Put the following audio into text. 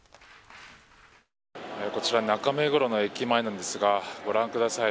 こちら中目黒の駅前なんですがご覧ください。